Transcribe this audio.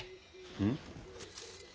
うん？